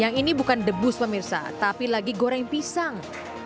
yang ini bukan debus pemirsa tapi lagi goreng pisang